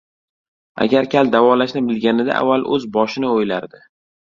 • Agar kal davolashni bilganida avval o‘z boshini o‘ylardi.